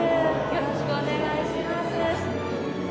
よろしくお願いします